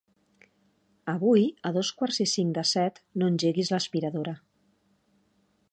Avui a dos quarts i cinc de set no engeguis l'aspiradora.